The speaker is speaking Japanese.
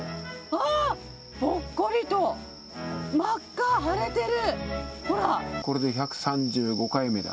あっ、ぽっこりと、真っ赤、腫れてる、ほら。